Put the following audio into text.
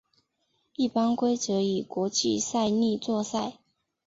一般规则以国际赛例作赛。